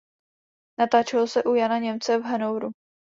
Natáčelo se u "Jana Němce" v Hannoveru.